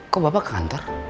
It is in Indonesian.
kok bapak ke kantor